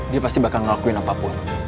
dia pasti bakal ngelakuin apapun